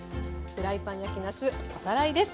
フライパン焼きなすおさらいです。